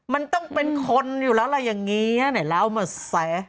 มันต้องเป็นคนอยู่แล้วล่ะอย่างนี้ไหนเล่ามาซะ